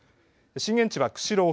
震源地は、釧路沖。